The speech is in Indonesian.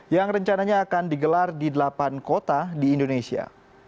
yang rencananya akan digelar di delapan kota di indonesia